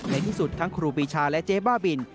ในที่สุดทั้งครูปีชาและเจ๊บ้าบิน